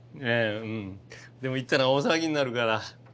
うんでも言ったら大騒ぎになるから。